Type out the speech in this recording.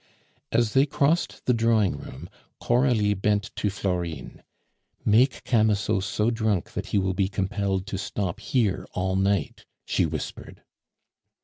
As they crossed the drawing room, Coralie bent to Florine, "Make Camusot so drunk that he will be compelled to stop here all night," she whispered.